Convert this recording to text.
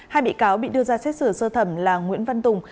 hai bị cáo bị đưa ra xét xử sơ thẩm là nguyễn văn tùng